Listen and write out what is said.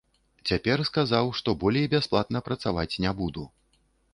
Цяпер сказаў, што болей бясплатна працаваць не буду.